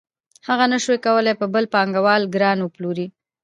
هغه نشوای کولی په بل پانګوال ګران وپلوري